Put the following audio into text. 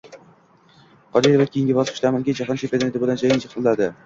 Qodirova keyingi bosqichda amaldagi jahon chempioni bilan jang qiladi